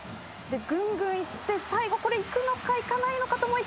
ぐんぐん行って最後これ行くのか行かないのかと思いきや